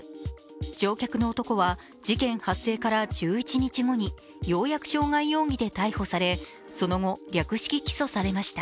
乗客の男は事件発生から１１日後にようやく傷害容疑で逮捕されその後、略式起訴されました。